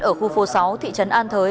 ở khu phố sáu thị trấn an thới